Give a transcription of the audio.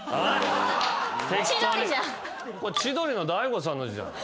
これ千鳥の大悟さんの字じゃん。